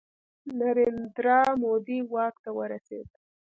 نریندرا مودي واک ته ورسید.